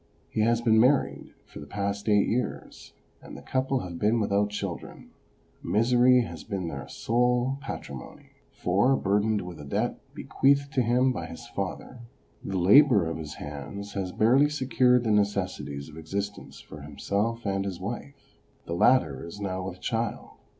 He has been married for the past eight years, and the couple have been without children ; misery has been their sole patrimony, for, burdened with a debt bequeathed to him by his father, the labour of his hands has barely secured the necessities of existence for himself and his wife. The latter is now with child.